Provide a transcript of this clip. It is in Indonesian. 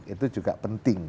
itu juga penting